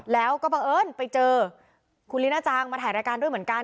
แล้วก็บังเอิญไปเจอคุณลีน่าจังมาถ่ายรายการด้วยเหมือนกัน